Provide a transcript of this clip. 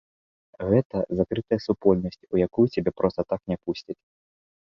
Гэта закрытая супольнасць, у якую цябе проста так не пусцяць.